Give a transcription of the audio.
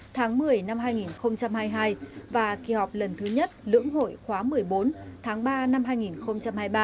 tháng một mươi năm hai nghìn hai mươi hai và kỳ họp lần thứ nhất lưỡng hội khóa một mươi bốn tháng ba năm hai nghìn hai mươi ba